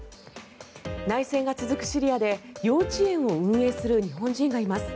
内戦が続くシリアで幼稚園を運営する日本人がいます。